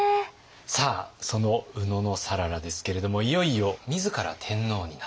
さあその野讃良ですけれどもいよいよ自ら天皇になった。